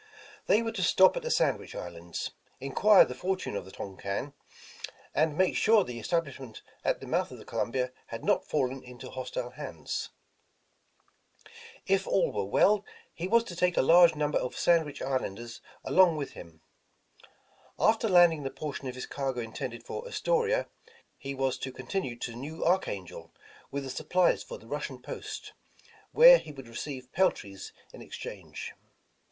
They were to stop at the Sandwich Islands, enquire the fortune of the Tonquin, and make sure the estab lishment at the mouth of the Columbia had not fallen into hostile hands. If all were well, he was to take a 195 The Original John Jacob Astor large number of Sandwich Islanders along with him. After landing the portion of his cargo intended for As toria, he was to continue to New Archangel with the supplies for the Russian post, where he would receive peltries in exchange.